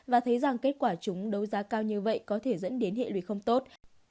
và thấy rằng kết quả chúng đấu giá cao như vậy có thể dẫn đến hệ lụy không tốt